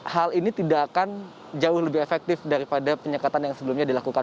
hal ini tidak akan jauh lebih efektif daripada penyekatan yang sebelumnya dilakukan